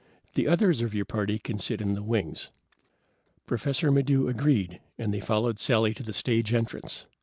The others of your party can sit in the wings." Professor Maddox agreed and they followed Sally to the stage entrance.